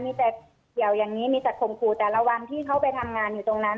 มีแต่เกี่ยวอย่างนี้มีแต่ข่มขู่แต่ละวันที่เขาไปทำงานอยู่ตรงนั้น